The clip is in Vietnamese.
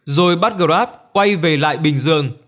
rồi bắt grab quay về lại bình dương